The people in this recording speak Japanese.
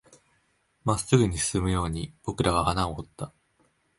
真っ直ぐに進むように僕らは穴を掘った